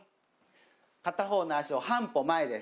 片方の足を半歩前です。